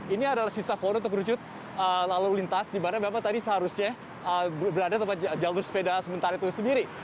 ini adalah sisa korup terujud lalu lintas di mana memang tadi seharusnya berada jalur sepeda sementara itu sendiri